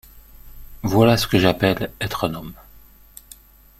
Voilà ce que j’appelle être un homme.